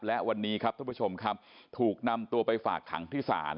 และวันนี้ครับท่านผู้ชมครับถูกนำตัวไปฝากขังที่ศาล